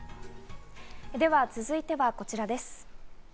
では続いては、こちらです。